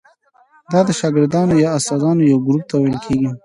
دا د شاګردانو یا استادانو یو ګروپ ته ویل کیږي.